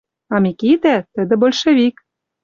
А Микитӓ — тӹдӹ большевик.